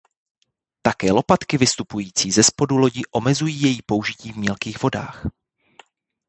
Také lopatky vystupující zespodu lodi omezují její použití v mělkých vodách.